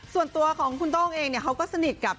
ส่วนตัวของคุณโต้งเองเนี่ยเขาก็สนิทกับ